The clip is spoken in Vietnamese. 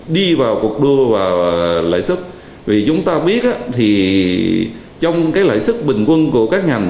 đi vào cuộc đua lãi suất vì chúng ta biết trong lãi suất bình quân của các ngành